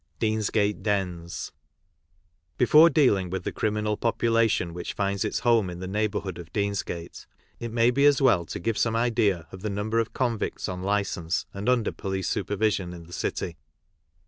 DEANSGATE DENS, Before dealing with the criminal population which finds its home in the neighbourhood of Deansgate, it may be as well to give some idea of the number of convicts on licence and under police super vision in the city.